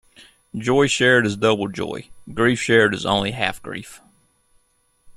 Joy shared is double joy; grief shared is only half grief.